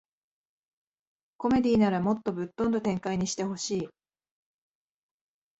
コメディならもっとぶっ飛んだ展開にしてほしい